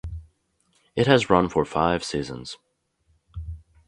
It has run for five seasons.